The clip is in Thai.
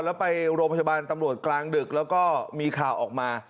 แล้วไปโรงพยาบาลตำรวจกลางดึกแล้วก็มีข่าวออกมา